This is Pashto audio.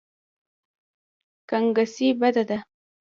ګنګسي بده ده.